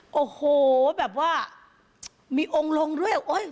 นี่แม่งี้โอ้โหมีองลงด้วย